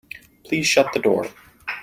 Please shut the door.